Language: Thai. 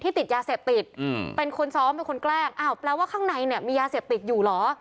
ติดยาเสพติดเป็นคนซ้อมเป็นคนแกล้งอ้าวแปลว่าข้างในเนี่ยมียาเสพติดอยู่เหรอ